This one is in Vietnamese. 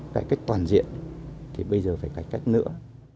cải cách toàn diện thì bây giờ phải cải cách nữa